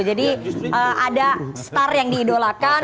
jadi ada star yang diidolakan